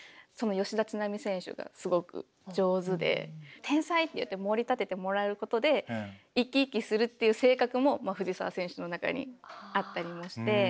その吉田知那美選手がすごく上手で「天才」っていってもり立ててもらえることで生き生きするっていう性格も藤澤選手の中にあったりもして。